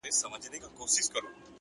د باد نرم حرکت د چاپېریال ژبه بدلوي,